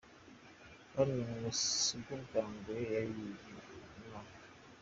Kandi ngo sibwo bwa mbere yari yibye umwa.